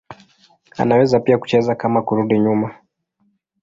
Anaweza pia kucheza kama kurudi nyuma.